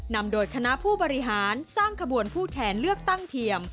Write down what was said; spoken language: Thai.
นำโดยคณะผู้บริหารสร้างขบวนผู้แทนเลือกตั้งเทียม